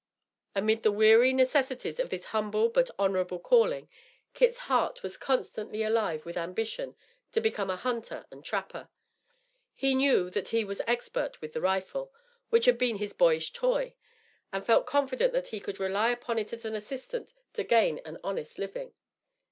Amid the weary necessities of this humble but honorable calling, Kit's heart was constantly alive with ambition to become a hunter and trapper. He knew that he was expert with the rifle, which had been his boyish toy, and felt confident that he could rely upon it as an assistant to gain an honest living.